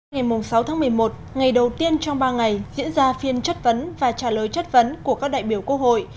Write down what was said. ngày sáu tháng một mươi một ngày đầu tiên trong ba ngày diễn ra phiên chất vấn và trả lời chất vấn của các đại biểu quốc hội